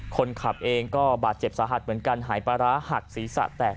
คนขับเองก็บาดเจ็บสาหัสเหมือนกันหายปลาร้าหักศีรษะแตก